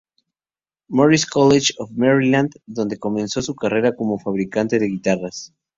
Mary’s College of Maryland donde comenzó su carrera como fabricante de guitarras.